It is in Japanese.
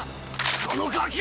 このガキ！